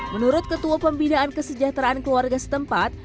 menurut ketua pembinaan kesejahteraan keluarga setempat